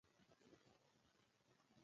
ایا له سینې څخه ترشحات لرئ؟